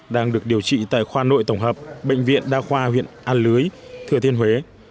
đang được điều trị tại khoa nội tổng hợp bệnh viện đa khoa huyện a lưới thừa thiên huế